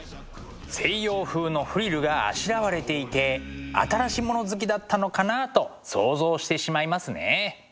西洋風のフリルがあしらわれていて新し物好きだったのかなと想像してしまいますね。